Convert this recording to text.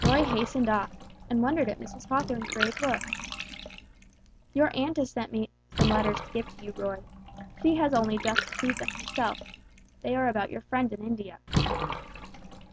Roy hastened off, and wondered at Mrs. Hawthorn's grave look. "Your aunt has sent me some letters to give you, Roy. She has only just received them herself. They are about your friend in India."